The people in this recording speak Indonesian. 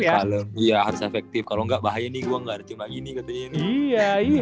ada yang efektif kalau enggak bahaya nih gua nggak cuma kitar ya iya iya